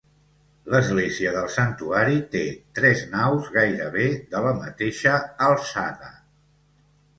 L'església del santuari té tres naus gairebé de la mateixa altura.